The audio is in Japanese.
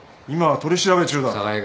今は取り調べ中だ。